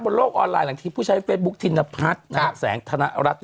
โลกออนไลน์หลังที่ผู้ใช้เฟซบุ๊คธินพัฒน์แสงธนรัฐ